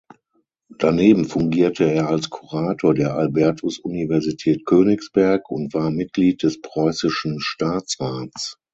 Daneben fungierte er als Kurator der Albertus-Universität Königsberg und war Mitglied des Preußischen Staatsrats.